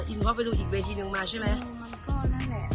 อินเพราะไปดูอีกเวทีนึงมาใช่มั้ย